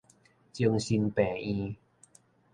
精神病院